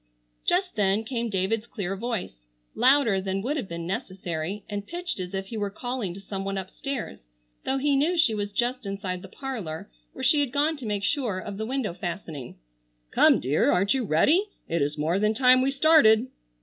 Just then came David's clear voice, louder than would have been necessary, and pitched as if he were calling to some one upstairs, though he knew she was just inside the parlor where she had gone to make sure of the window fastening. "Come, dear! Aren't you ready? It is more than time we started."